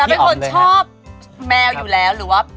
เป็นคนชอบแมวอยู่แล้วหรือว่า